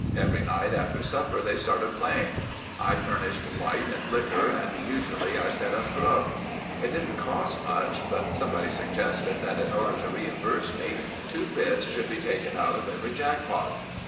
Every night after supper they started playing. I furnished light and likker and usually I set out grub. It didn't cost much but somebody suggested that in order to reimburse me, two bits should be taken out of every jackpot.